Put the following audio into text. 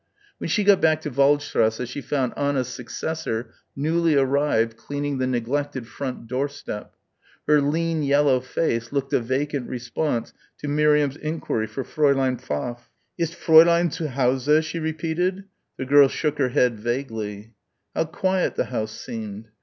When she got back to Waldstrasse she found Anna's successor newly arrived cleaning the neglected front doorstep. Her lean yellow face looked a vacant response to Miriam's enquiry for Fräulein Pfaff. "Ist Fräulein zu Hause," she repeated. The girl shook her head vaguely. How quiet the house seemed.